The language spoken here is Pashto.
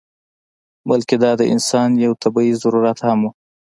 بلکې دا د انسان یو طبعي ضرورت هم و.